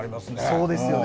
そうですよね。